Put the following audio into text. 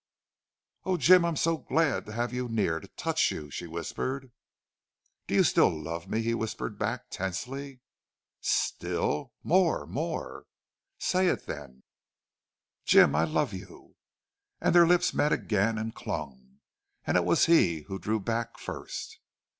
"Oh, Jim! I'm so glad to have you near to touch you," she whispered. "Do you love me still?" he whispered back, tensely. "Still? More more!" "Say it, then." "Jim, I love you!" And their lips met again and clung, and it was he who drew back first.